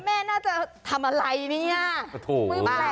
แม่น่าจะทำอะไรเนี่ย